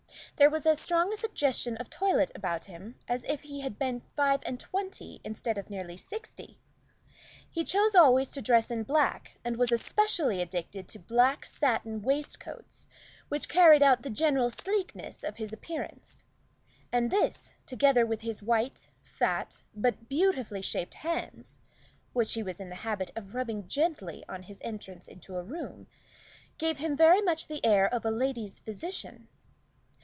There was as strong a suggestion of toilette about him as if he had been five and twenty instead of nearly sixty. He chose always to dress in black, and was especially addicted to black satin waistcoats, which carried out the general sleekness of his appearance; and this, together with his white, fat, but beautifully shaped hands, which he was in the habit of rubbing gently on his entrance into a room, gave him very much the air of a lady's physician.